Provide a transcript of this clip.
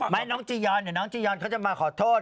น้องจียอนเดี๋ยวน้องจียอนเขาจะมาขอโทษ